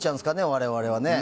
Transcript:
我々はね。